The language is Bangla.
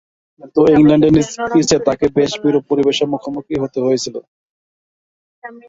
কিন্তু, ইংল্যান্ডের পিচে তাকে বেশ বিরূপ পরিবেশের মুখোমুখি হতে হয়েছিল।